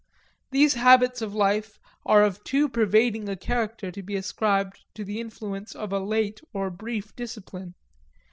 These habits of life are of too pervading a character to be ascribed to the influence of a late or brief discipline.